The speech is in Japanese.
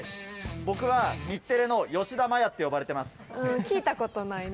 僕は、日テレの吉田麻也と呼ばれてます。